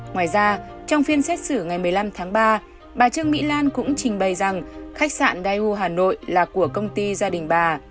ngoài ra trong phiên xét xử ngày một mươi năm tháng ba bà trương mỹ lan cũng trình bày rằng khách sạn dayu hà nội là của công ty gia đình bà